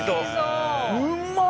うまっ！